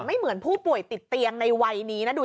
ไม่เหมือนผู้ป่วยติดเตียงในวัยนี้นะดู